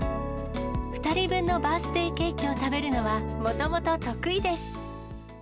２人分のバースデーケーキを食べるのは、もともと得意です。